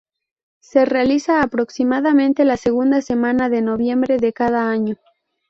Se realiza aproximadamente la segunda semana de noviembre de cada año.